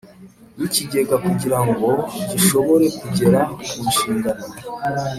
W ikigega kugira ngo gishobore kugera ku nshingano